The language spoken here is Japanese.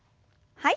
はい。